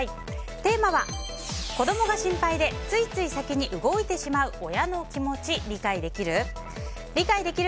テーマは子供が心配でついつい先に動いてしまう親の気持ち理解できる？。